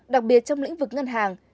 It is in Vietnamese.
đặc biệt trong lĩnh vực ngân hàng